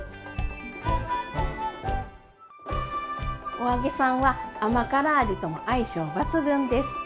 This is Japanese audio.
お揚げさんは甘辛味とも相性抜群です。